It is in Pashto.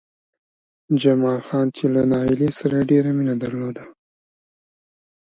جمال خان چې له نايلې سره يې ډېره مينه درلوده